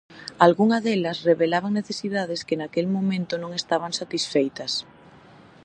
Algunha delas revelaban necesidades que naquel momento non estaban satisfeitas.